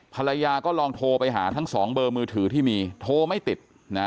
ภรรยาก็ลองโทรไปหาทั้ง๒เบอร์มือถือที่มีโทรไม่ติด